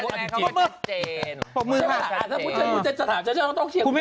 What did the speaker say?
พวกมึงค่ะถ้าคุณธนาทรจะถามฉันต้องเชียร์คุณธนาทร